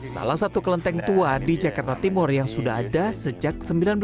salah satu kelenteng tua di jakarta timur yang sudah ada sejak seribu sembilan ratus sembilan puluh